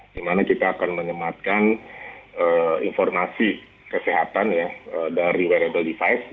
di mana kita akan menyematkan informasi kesehatan ya dari wearable device